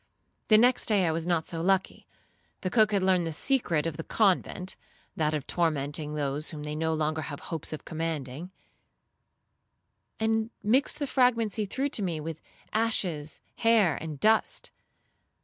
The next day I was not so lucky; the cook had learned the secret of the convent, (that of tormenting those whom they no longer have hopes of commanding), and mixed the fragments he threw to me, with ashes, hair, and dust.